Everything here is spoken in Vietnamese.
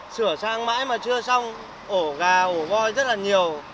sửa sang mãi mà chưa xong ổ gà ổ voi rất là nhiều